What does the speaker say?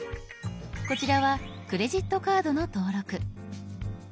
こちらは「クレジットカード」の登録。